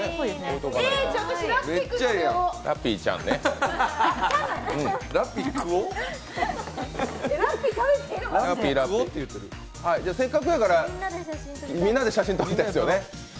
ラッピー食おってせっかくやからみんなで写真撮りたいですよね。